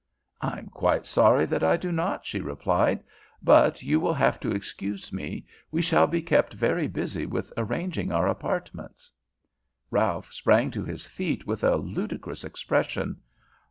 "I'm quite sorry that I do not," she replied. "But you will have to excuse me. We shall be kept very busy with arranging our apartments." Ralph sprang to his feet with a ludicrous expression.